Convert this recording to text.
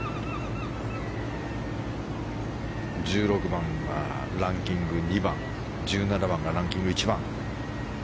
１６番はランキング２番１７番がランキング１番。